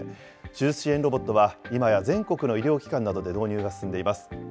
手術支援ロボットは、いまや全国の医療機関などで導入が進んでいます。